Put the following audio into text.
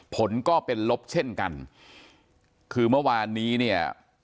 ผลก็เป็นลบเช่นกันคือเมื่อวานนี้เนี่ย